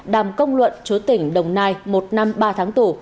đàm công luận chú tỉnh đồng nai một năm ba tháng tù